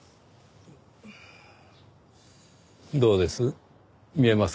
どうです？